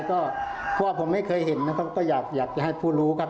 ก็เพราะว่าผมไม่เคยเห็นนะครับก็อยากจะให้ผู้รู้ครับ